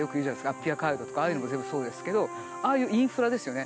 アッピア街道とかああいうのも全部そうですけどああいうインフラですよね。